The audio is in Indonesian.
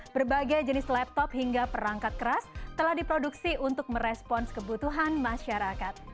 berbagai jenis laptop hingga perangkat keras telah diproduksi untuk merespons kebutuhan masyarakat